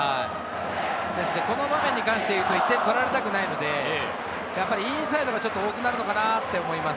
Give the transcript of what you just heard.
この場面に関していうと１点取られたくないので、インサイドが多くなるのかなと思います。